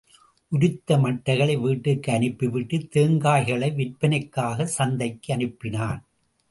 உரித்த மட்டைகளை விட்டிற்கு அனுப்பிவிட்டு, தேங்காய்களை விற்பனைக்காக சந்தைக்கு அனுப்பினான்.